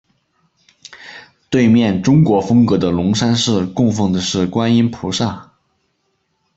对面中国风格的龙山寺供奉的是观音菩萨。